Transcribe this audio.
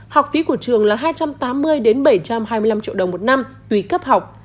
học phí của trường là hai trăm tám mươi bảy trăm hai mươi năm triệu đồng một năm tùy cấp học